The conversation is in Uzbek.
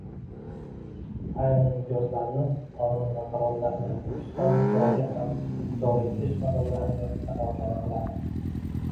ayrim imtiyozlarini, qonun va qarorlarini Turkiston tuprog'iga ham joriy etish masalalarini muhokama qiladi.